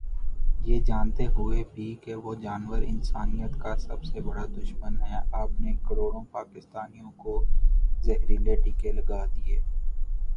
یہ جانتے ہوئے بھی کہ وہ جانور انسانیت کا سب سے بڑا دشمن ہے آپ نے کروڑوں پاکستانیوں کو زہریلے ٹیکے لگا دیے۔۔